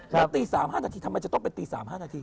แล้วตี๓๕นาทีทำไมจะต้องไปตี๓๕นาที